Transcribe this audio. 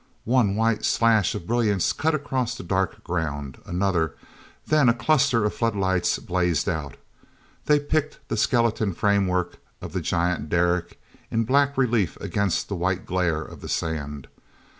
One white slash of brilliance cut across the dark ground; another, then a cluster of flood lights blazed out. They picked the skeleton framework of the giant derrick in black relief against the white glare of the sand.